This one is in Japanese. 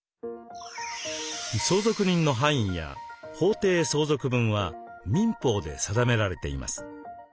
相続人の範囲や法定相続分は民法で定められています。